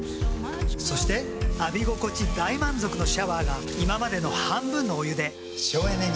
そして浴び心地大満足のシャワーが今までの半分のお湯で省エネに。